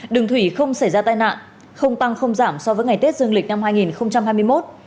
đường thủy không xảy ra tai nạn không tăng không giảm so với ngày tết dương lịch năm hai nghìn hai mươi một